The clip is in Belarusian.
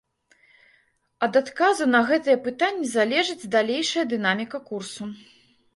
Ад адказу на гэтыя пытанні залежыць далейшая дынаміка курсу.